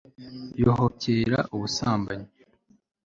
yohokera ubusambanyi